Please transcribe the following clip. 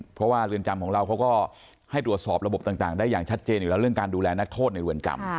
เพราะว่าเรือนจำของเราเขาก็ให้ตรวจสอบระบบต่างได้อย่างชัดเจนอยู่แล้วเรื่องการดูแลนักโทษในเรือนจำ